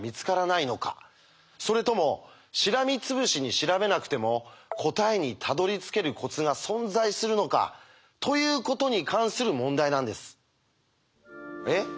それともしらみつぶしに調べなくても答えにたどりつけるコツが存在するのか？ということに関する問題なんです。え？